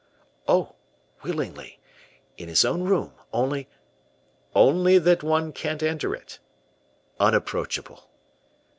"Oh! willingly; in his own room. Only " "Only that one can't enter it?" "Unapproachable."